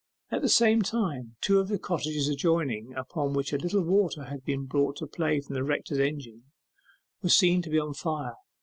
At the same time two of the cottages adjoining, upon which a little water had been brought to play from the rector's engine, were seen to be on fire.